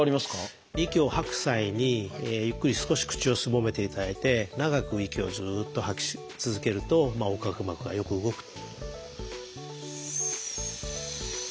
息を吐く際にゆっくり少し口をすぼめていただいて長く息をずっと吐き続けると横隔膜がよく動くと。